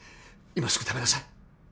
今すぐ食べなさい。